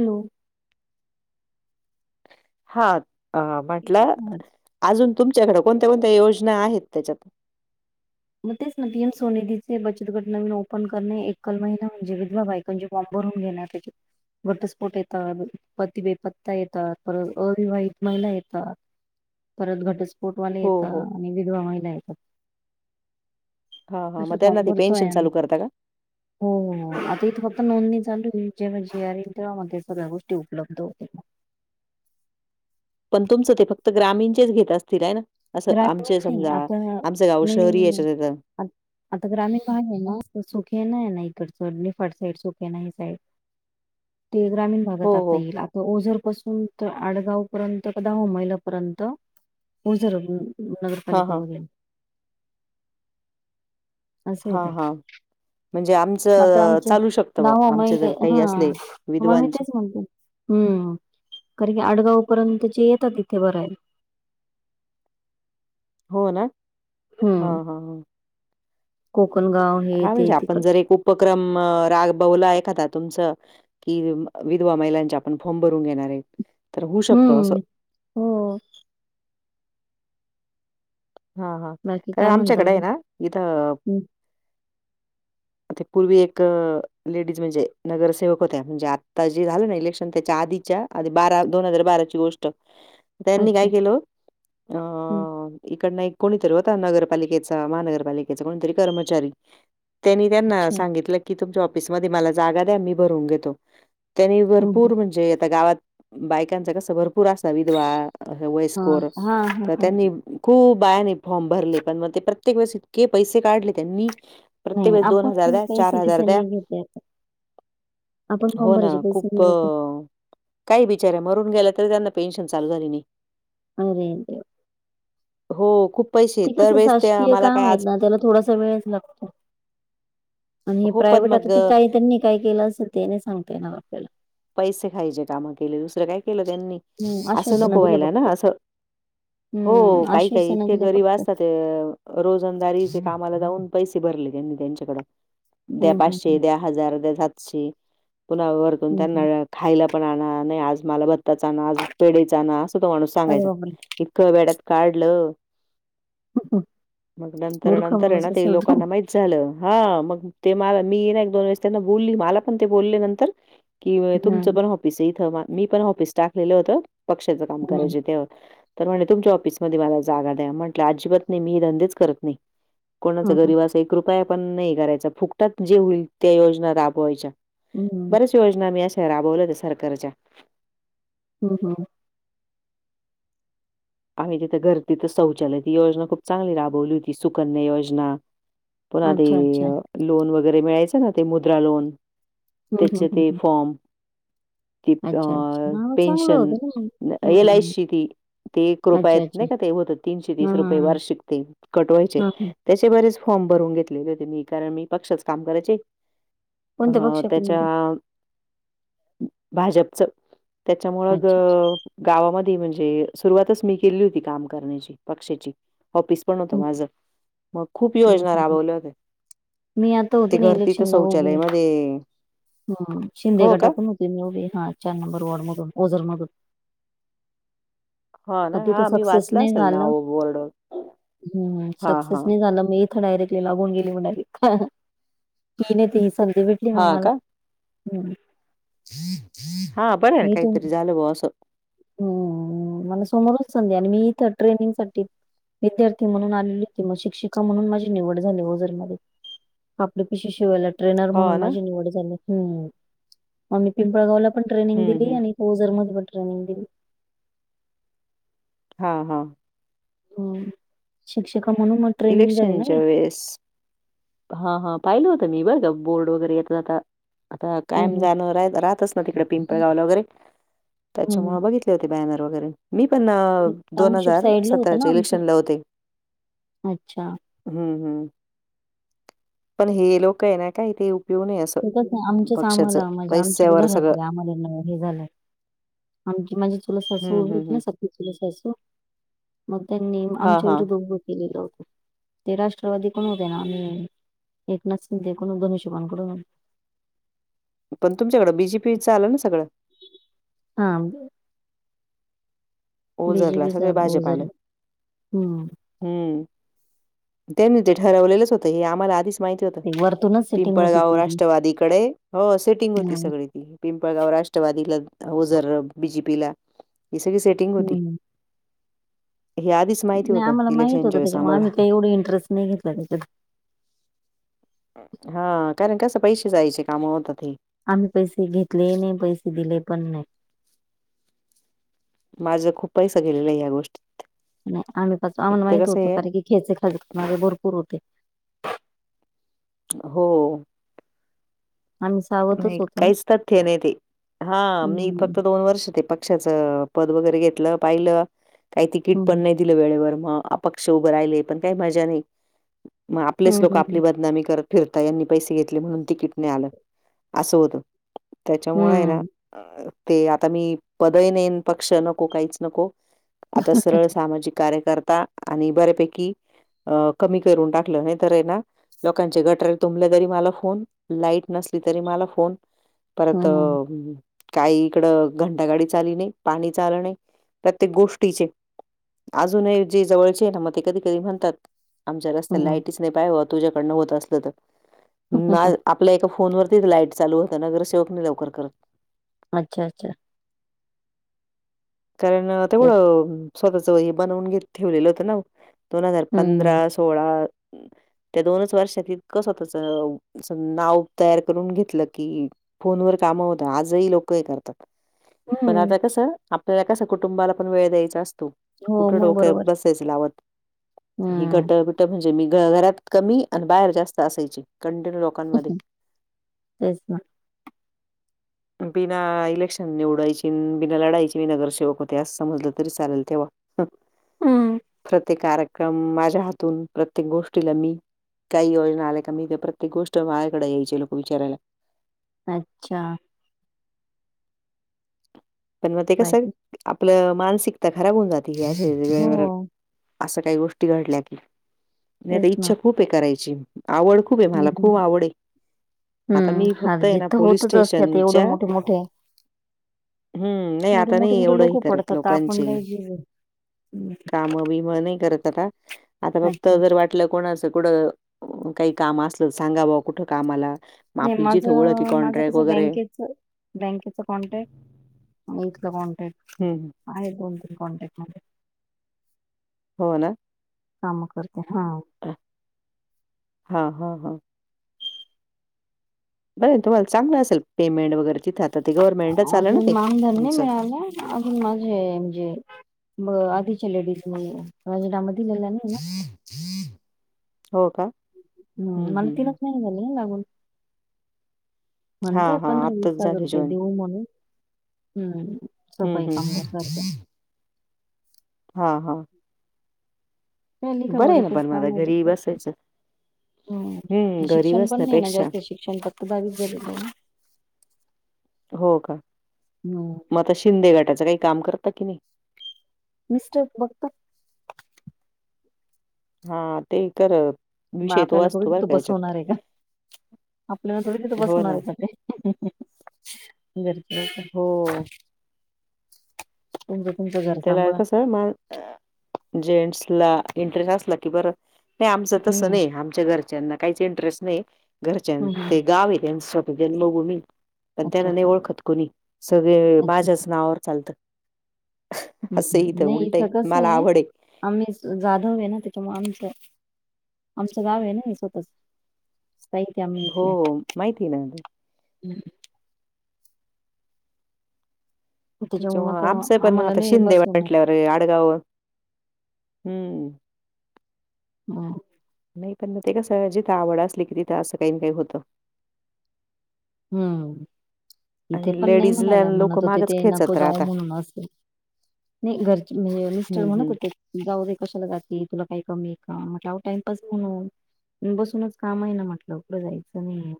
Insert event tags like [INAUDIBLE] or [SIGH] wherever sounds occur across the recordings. Hello हा अ येतोय म्हटलं. का आवाज? आजून तुमच्याकडे कोणत्या कोणत्या योजना आहेत त्याच्यातून? मग तेच न पीएम सोनेधीचे बचत गट नवीन ओपन करणे, एकल महिला म्हणजे विधवा बाय कांचे फॉर्म भरून घेणार ये. घटस्फोट ये का? पति बेपत्ता ये का? परत अविवाहित महिला ये का? परत घटस्फोटवाले ये हो, का हो. आणि विधवा महिला ये का? हा हा. असे मग त्यांना फॉर्म ते भरतोय पेन्शन आम्ही चालू करता का? हो. आता इथे फक्त नोंदणी चालू ये, जेव्हा जी आर येईल, तेव्हा मग सगळ्या गोष्टी उपलब्ध होतील. पण तुमचं ते फक्त ग्रामीणचेच घेत असतील हाय ना. असं ग्रामीण आमचे नाही समजा, आता आमचं गाव नाही नाही शहरी नाही नाही. याच्यात येत. आ- आता ग्रामीण भाग ये ना, सोखे हाय ना इकडचं, निफाड साईड सुखे ना ही साईड. ते ग्रामीण हो, भागात आता हो. येईल. ओझर पासून तर आडगाव पर्यंत, क दाह मैलापर्यंत ओझर. हां, नगरपालिका हां. बघेल. असं येत हां, का? हां. म्हणजे म आता आमचं आमचे चालू शकतं बुवा, दहा आमचे महिने, जर काही असले हा आमी विधवांचे. तेच म्हणतो. हूम्म खर की आडगाव पर्यंत चे येतात तिथे बरायला. हो ना? हा हा ह. कोकण गाव. हा म्हणजे आपण जर, एक उपक्रम राबवला एखादा तुमचं कि विधवा महिलांच्या आपण फॉम भरून घेणार ये, तर होऊ शकत असं. हम्म हो. हा हा. बाकी कारण काय म्हणता आमच्याकडे आहे अजून ना इथं. हम्म ते पूर्वी एक अ लेडीज म्हणजे नगरसेवक होत्या म्हणजे आता जे झालं ना, इलेक्शन त्याच्या आधीच्या आधी बारा दोन हजार बाराची गोष्ट. त्यांनी अच्छा काय केलं अ. हम्म इकड न एक कोणीतरी होता, नगरपालिकेचा, महानगरपालिकेचा कोणीतरी कर्मचारी तेनी त्यांना अच्छा सांगितलं की, तुमच्या ऑफिसमध्ये मला जागा द्या मी भरून घेतो. त्यांनी हम्म भरपूर म्हणजे आता गावात बायकांच कस भरपूर असा विधवा अ हा वयस्कोर हा हा तर हा त्यांनी खूप बायाने फॉर्म भरले पण, मग ते प्रत्येक वेळेस इतके पैसे काढले त्यांनी. नाही प्रत्येक नाही वेळेस दोन आपण हजार द्या, चार पैसे हजार बिसे द्या. नाही घेते आपण फॉर्म हो ना. भरायचे पैसे खूप नाही घेते काही बीच्याऱ्या मरून गेल्या तरी, त्यांना पेन्शन चालू झाली नाही. हंग येते. हो. खूपच. ते कस शासकीय काम आहेत ना त्याला थोडासा वेळच लागतो. आणि हो, पण प्रायव्हेट आता मग त अ, काही त्यांनी काय केलं असं ते नाही सांगता ये ना आपल्याला. पैसे खायचे काम केले दुसरं काय केलं त्यांनी. हम्म असं आश्वासन नको दिले व्हायला फक्त ना असं. हम्म काही काही आश्वासन इतके दिले गरीब फक्त असतात- रोजंदारीचे कामाला जाऊन पैसे भरले त्यांनी त्यांच्याकड. द्या हम्म हम्म हम्म. पाचशे द्या. हजार रूपये सातशे पुन्हा वरतुन हम्म त्यांना हम्म खायला पण आणा नाहि आज मला बर तेच आना आज पेढेच आना असं तो माणूस अरे सांगायचा बापरे! इतकं वेड्यात काढलं हं, हं. मग नंतर मूर्ख नंतर आहे माणूस ना ते असेल तो. लोकांना माहिती झालं हा मग ते मला मी ये ना एक दोन वेळेस त्यांना बोलली मला पण ते बोलले नंतर. कि हम्म तुमचं पण ऑफिस आहे इथं मी पण ऑफिस टाकलेलं होतं पक्षाच काम हम्म करायचे तेव्हा. तर म्हणले तुमच्या ऑफिसमध्ये मला जागा द्या म्हटलं अजिबात नाही मी धंदेच करत नाही. कोणाचा हं हं गरीबाचा एक रुपया पण नाही हे करायचा फुकटात जे होईल त्या योजना राबवायच्या. हम्म‌. बऱ्याच योजना मी या अशा राबवल्यात्या सरकारच्या. हम हम. आम्ही तिथं घर तिथं शौचालय ती योजना चांगली राबवली होती. सुकन्या योजना. पुन्हा ते अच्छा अच्छा. लोन वगैरे मिळायचं ना ते मुद्रा लोन. हं हं त्याचे हं ते हं. फॉर्म. ती अ अच्छा अच्छा. हां मग चांगलं पेन्शन, होतं ना मग. L I hmm. सी ती ते एक अच्छा रुपयात अच्छा. नाही का ते होते तीनशे तीस हां, हां, रुपये हां. वार्षिक ते कट व्हायचे‌. हां, हां. तशे बरेच फॉर्म भरवून घेतलेले होते मी. कारण मी पक्षाच काम करायचे. कोणत्या हा पक्षाकडून? त्याच्या भाजपच‌. अच्छा त्याच्यामुळं अच्छा. ग गावामध्ये म्हणजे सुरुवातच मी केली होती काम करण्याची पक्षाची ऑफिस पण होत हं. माझं. मग खूप हं, योजना हं, हं. राबवल्या होत्या. मी आता ते होते ना घर तिथं इलेक्शनला उभी. शौचालयमध्ये ह शिंदे हो का? गटातून. उभी होते हा चार नंबर वॉर्ड मधून ओझर मधून. हा क ना ते तर हा मी सक्सेस वाचलं नाही असेल झालं. नाव बोर्ड हम हम हा हा. सक्सेस नाही झालं. मी इथं डायरेक्टली लागून गेली म्हणाली ख ह ह नाही तरी ही संधी भेटली मग हा मला. का? हम. हा बरं मी इथून काहीतरी झालं बुवा असं. हम्म. मला समोरच संधी आली. मी इथं ट्रेनिंग साठी विद्यार्थी म्हणून आलेले होते. शिक्षिका म्हणून माझी निवड झाली ओजरमध्ये. आपल्या पशी शिवायल्यात. ट्रेनर हो म्हणून ना माझी निवड झाली. मग मी पिंपळगावला पण ट्रेनिंग हं दिली हं. आणि ओझर मध्ये पण ट्रेनिंग दिली. हा हा. हम्. शिक्षिका म्हणून. ट्रेनिंग झाली ना इलेक्शनच्या मी वेळेस. हा हा पाहिलं होतं मी बर का बोर्ड वगैरे येता जाता. आता हम्म, कायम हम्म, जाणं रा राहतच ना तिकडे पिंपळ गावलं वगैरे हम्म, त्याच्यामुळे बघितलं. हो बॅनर वगैरे मी पण दोन टाउनशिप हजार साईडला होतं ना सतराच्या आमचं इलेक्शन ला होते. अच्छा! हम्म हम्म पण हे लोकं हाय ना काय ते उपयोग नाही आहे मंग तसं आमचेच आम्हाला म्हणजे आमच्याच सगळं घरातले आम्हाला हे झालंय. आमची म्हणजे चुलत सासू हं, वगैरे हं, आहेत ना हं. सख्खी चुलत सासू मग त्यांनी हां, आमच्या हां. विरुद्ध उभं केलेलं होतं. ते राष्ट्रवादी कडून होते ना आम्ही एकनाथ शिंदे कडून धनुष्यबाण कडून पण तुमच्याकडं बी जे होतो. पी चं आलं ना सगळं हा ओझरला बीजेपी सगळं झालं भाजप ओझर आलं. हम्म हम्म त्यांनी ते ठरवलेलंच होतं हे आम्हाला आधीच माहिती होतं ते वरतूनच सेटिंग होती पिंपळगाव ती राष्ट्रवादीकडे हो सेटिंग होती हम्म. सगळी ती पिंपळगाव राष्ट्रवादीला ओझर बीजेपीला ही सगळी सेटिंग होत हम्म हे आधीच माहिती नाही होतं आम्हाला माहित होतं इलेक्शनच्या वेळेस त्याच्यामुळे आम्ही आम्हाला. काही एवढे इंटरेस्ट नाही घेतला त्याच्यात हा कारण कसं पैसे जायचे कामं होतात हे आम्ही पैसे घेतलेही नाही पैसे दिले पण नाही. माझं खूप पैसा गेलेला हाय या गोष्टी नाही आम्ही पा आम्हाला माहीत होत आहे कारण की खेचे खाजणारे भरपूर होते हो आम्ही सावधच नाही होतो ना काहीच तथ्य नाही ते हा मी हम्म, फक्त दोन वर्ष ते प क्षाचं पद वगैरे घेतलं पाहीलं काही तिकिट पण हम्म, नाही दिलं वेळेवर मग अपक्ष उभं राहिले पण काही मजा नाही मग आपलेच हम्म, लोक आपली बदनामी कर फिरताय यांनी पैसे घेतले म्हणून तिकिट नाय आलं. असं होतं त्याच्यामुळे हाय ना हम्म, ते आता मी पद ही नाही पक्ष नको काहीच नको आता सरळच सामाजिक कार्यकर्ता आणि बऱ्यापैकी अ कमी करून टाकलं नाही तर आहे ना लोकांचे गटार तुंबले तरी मला फोन लाईट नसली तरी मला फोन परत हम्म, अं काही इकडं घंटागाडी च आली नाही पाणी च आलं नाही प्रत्येक गोष्टीचे अजूनही जे जवळचे आहे ना मग ते कधी कधी म्हणतात आमच्या रस्त्याला हम्म. लाईटच नाही पहाबा तुझ्याकडनं होत असलं तर आपल्या एका फोनवरतीच लाईट चालू होते नगरसेवक नाही लवकर करत अच्छा अच्छा कारण तो तेच. अ स्वतःच हे बनवून ठेवलेलं होतं ना दोन हजार पंधरा हम्म, स सोळा त्या दोनच वर्षात इतकं स्वतःच असं नाव तयार करून घेतलं की फोन वर कामं होता आजही लोकं हे करतात. पण हम्म. आता कसं आपल्याला कसं कुटुंबाला पण वेळ द्यायचा असतो. हो कुठं मग डोकं बरोबर बसायचं लावत ही हम्म गटं बिटं म्ह णजे मी घरात कमी बाहेर जास्त असायची कंटिन्यू लोक कांमध्ये तेच ना बिना इलेक्शन निवडायची अन बिना लढायची. मी नगरसेवक होते अस समजलं तरी चालेल तेव्हा हम्म. प्रत्येक कार्यक्रम माझ्या हातून प्रत्येक गोष्टीला मी काही योजना आल्या का मी ते प्रत्येक गोष्ट माझ्याकडे यायचे लोक विचारायला. अच्छा! पण मग ते कास बाकी आपलं मानसिकता खराब होऊन जाते अस ह हो वेळे असं काही गोष्टी घडल्या की नाहीता तेच ना इच्छा खूप आहे करायची आवड खूप आहे हम्म, मला हम्म. खूप आवड आहे. आता मी हम्म हार फक्त आहे जीत ना तर पोलीस होतच असतात एवढे स्टेशनच्या मोठे मोठे हम्म, नाही एवढे आता मोठे नाही मोठे लोक एवढंही करत पडतात तर आपण लोकांचे. काय जीव हम्म. काम बीम नाही करत आता आता फक्त अच्छा घर वाट म्हटलं कोणाचं कुठं काही काम असल सांगाव बा कुठ कामाला. मग तर आपली जिथं ओळख आहे माझं माझं कॉन्ट्रॅक्ट कसं वगैरे बँकेच बँकेच कॉन्टॅक्ट काय इतक कॉन्टॅक्ट. हम. आहे कोण तरी कॉन्टॅक्ट मध्ये. हो ना. काम करते हा. हा हा हा. बरं तुम्हाला चांगलं असेल पेमेंट वगैरे तिथ आता ते गव्हर्मंटच आलं ना ते अजून मानधन नाही तुमचं. मिळालं अजून माझे म्हणजे ब आधीच्या लेडीजनी राजीनामा दिलेला नाही ना. हो का! हम् हं, मला हं, तिनच हं. नाही झाले लागून. म्हणताय हां, हां. पंधरा वीस आत्ताच हजार झालं रुपये जॉइन. देऊ म्हणून. हम्म, सोपं हं, हाय हं. कामगार सारखं. हा हा. आहे ना पण मग आता घरी बसायचं. [UNINTELLIGIBLE] हं, हम घरी शिक्षण पण नाही ना बसण्यापेक्षा. जास्त शिक्षण फक्त दहावीच झालेलं आहे ना? हो का! हम. मग आता शिंदे गाटाच काही काम करता की नाही. मिस्टर बघतात. हा ते कर मग आपल्याला थोडी तिथं बसवणार आहे का. आपल्याला थोडी तिथं हो बसवणार ना. आहे का ते. हो. [UNINTELLIGIBLE] त्याला सांभाळा कस मग जेंट्स ला इंटरेस्ट असला की बरं. नाही आमच तस हं, नाही आमच्या घरच्यांना काहीच इंटरेस्ट नाही. घरच्यां हं, हं. ते गाव आहे त्यांचं जन्मभूमी. पण अच्छा, त्याला नाही अच्छा. ओळखत कुणी सगळे अच्छा, माझ्याच अच्छा. नावावर चालतं. हम असं हम आहे नाही उलट आहे. इथं कसं मला आहे. आवड आम्ही जाधव आहे ना त्याच्यामुळे आमचं आमचं गाव आहे ना हे स्वतःच. स्थायीक आहे आम्ही इथल्या हो, माहिती आहे ना. हं. त्याच्यामुळे मग आमचं पण आम्हाला आता नाही शिंदे बसवणार. म्हटल्यावर आडगाव हम्म. [UNINTELLIGIBLE] नाही पण मग ते कसं जिथे आवड असली की तिथं असं काही काही होतं. हम्म, इथे आणि पण नाही लेडीजला म्हणायला लोक म्हणत होते मागच ते नको खेचत राहता. जाऊ म्हणून असे. नाही घरचे म्हणजे मिस्टर हं, म्हणत हं. होते. जाऊदे कशाला जाते तुला काही कमी आहे का म्हंटलं आहो टाइमपास म्हणून. बसूनच काम आहे ना म्हटलं, कुठं जायचं नाहीये.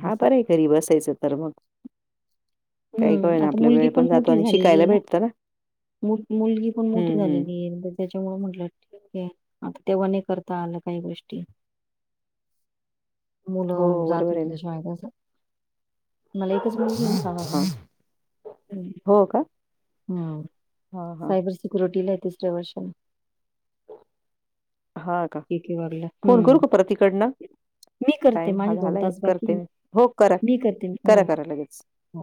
हा, असं. बरं हाय घरी बसायचं तर मग? काही हं, कळना आता आपला मुलगी वेळ पण जातो आणि झालेली आहे शिकायला भेटतं ना? मोठी मुलगी पण मोठी हं, हं. झालेली आहे [UNINTELLIGIBLE] त्याच्यामुळे म्हटलं [UNINTELLIGIBLE] आता तेव्हा नाही करता आलं काही गोष्टी. [INAUDIBLE] मुलं जात बरोबर आहे ना. होती शाळेत असं तुम्हाला एकच मुलगी आहे ना? हा, हा. हं, हा, हां, हां. सायबर सिक्युरिटीला इथच ठेवायची. हा का? ठीक आहे वागलं फोन हम्म करू का परत तिकडनं? मी करते टाईम हा माझे दोन झालाय तास बाकी करते. आहे ना हो करा, मी करते हो करा, करा लगेच. हो.